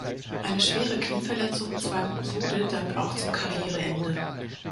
Eine schwere Knieverletzung zwang Sude dann auch zum Karriereende.